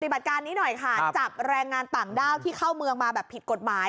บัติการนี้หน่อยค่ะจับแรงงานต่างด้าวที่เข้าเมืองมาแบบผิดกฎหมาย